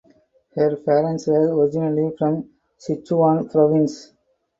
Her parents were originally from Sichuan Province.